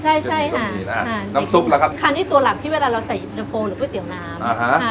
ใช่ใช่ฮะน้ำซุปแล้วครับคันที่ตัวหลักที่เวลาเราใส่อินโฟนหรือก๋วยเตี๋ยวน้ำอ่าฮะ